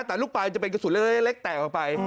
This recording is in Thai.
แต่ลูกปลายจะเป็นกระสุนเล็กแตกออกไป